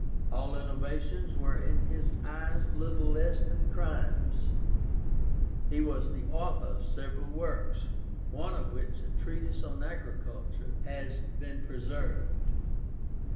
All innovations were in his eyes little less than crimes. He was the author of several works, one of which, a treatise on agriculture, has been preserved.